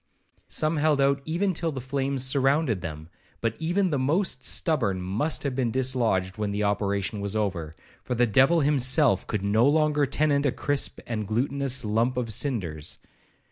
Some held out even till the flames surrounded them; but even the most stubborn must have been dislodged when the operation was over, for the devil himself could no longer tenant a crisp and glutinous lump of cinders.